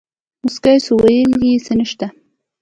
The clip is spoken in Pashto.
موسکى سو ويې ويل سه نيشتې.